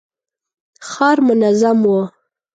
ښار منظم و.